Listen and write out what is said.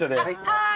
はい。